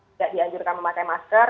tidak dianjurkan memakai masker